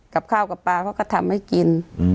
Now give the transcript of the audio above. กับข้าวกับปลาเขาก็ทำให้กิน